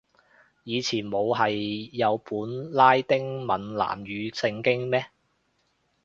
以前冇係有本拉丁閩南語聖經咩